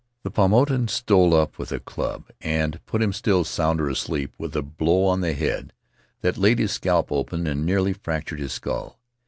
The Paumotan stole up with a club and put him still sounder asleep with a blow on the head that laid his scalp open and nearly fractured his skull.